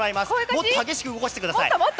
もっと激しく動かしてください。